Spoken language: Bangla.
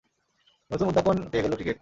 নতুন উদ্যাপন পেয়ে গেল ক্রিকেট।